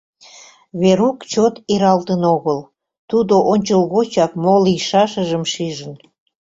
Верук чот иралтын огыл, тудо ончылгочак мо лийшашыжым шижын.